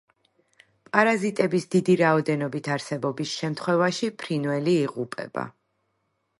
პარაზიტების დიდი რაოდენობით არსებობის შემთხვევაში ფრინველი იღუპება.